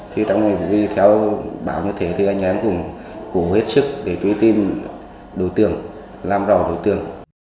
thì trong những vụ vi theo báo như thế thì anh em cũng cố hết sức để truy tìm đối tượng làm rõ đối tượng